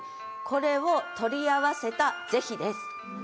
これを取り合わせた是非です。